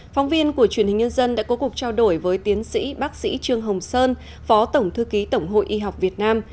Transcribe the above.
phóng viên của truyền hình nhân dân đã có cuộc trao đổi với tiến sĩ bác sĩ trương hồng sơn phó tổng thư ký tổng hội y học việt nam